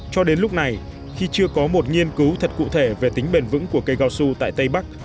cho đến lúc này khi chưa có một nghiên cứu thật cụ thể về tính bền vững của cây cao su tại tây bắc